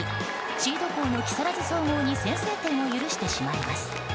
シード校の木更津総合に先制点を許してしまいます。